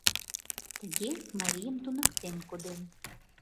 Тыге марийым туныктен коден